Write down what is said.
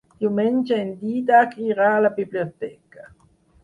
Diumenge en Dídac irà a la biblioteca.